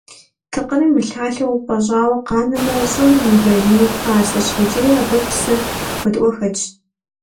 Тыкъырыр мылъалъэу упӀэщӀауэ къанэмэ, щӀым уелэжьыну пасэщ, иджыри абы псы куэдыӀуэ хэтщ.